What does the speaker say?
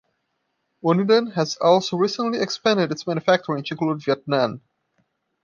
Uniden has also recently expanded its manufacturing to include Vietnam.